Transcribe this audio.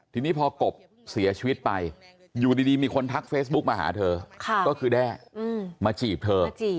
ทีนี้พอกบเสียชีวิตไปอยู่ดีมีคนทักเฟซบุ๊กมาหาเธอก็คือแด้มาจีบเธอ